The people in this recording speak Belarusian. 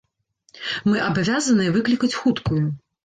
Мы абавязаныя выклікаць хуткую.